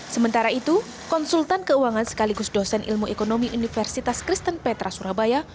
sementara itu konsultan keuangan sekaligus dosen ilmu ekonomi universitas kristen petra surabaya